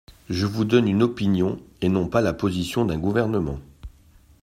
Je vous donne une opinion, et non pas la position d’un gouvernement.